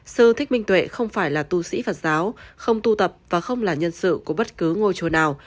sư thích minh tuệ không phải là tu sĩ phật giáo không tu tập và không là nhân sự của bất cứ ngôi chùa nào